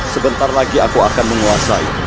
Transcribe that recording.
sebentar lagi aku akan menguasai